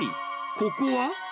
ここは？